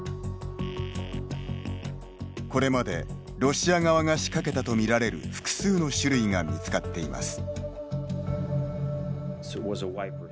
これまでロシア側が仕掛けたとみられる複数の種類が見つかっています。